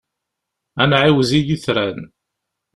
Ad nεiwez i yitran.